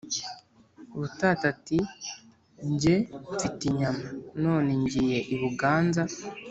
Butati ati: “Ge mfite inyama, none ngiye i Buganza